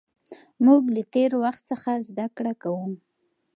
موږ له تېر وخت څخه زده کړه کوو.